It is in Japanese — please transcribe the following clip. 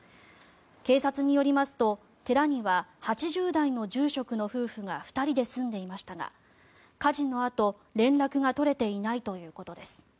警察によりますと寺には８０代の住職の夫婦が２人で住んでいましたが火事のあと、連絡が取れていないということです。